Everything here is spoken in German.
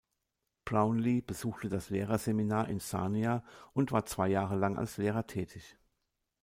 Brownlee besuchte das Lehrerseminar in Sarnia und war zwei Jahre lang als Lehrer tätig.